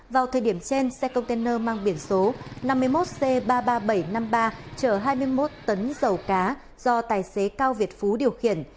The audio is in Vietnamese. vào thời điểm trên xe container mang biển số năm mươi một c ba mươi ba nghìn bảy trăm năm mươi ba chở hai mươi một tấn dầu cá do tài xế cao việt phú điều khiển